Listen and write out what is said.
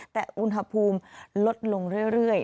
แต่อุณหภูมิลดลงเรื่อย